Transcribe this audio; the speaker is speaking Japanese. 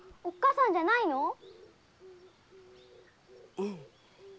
うん。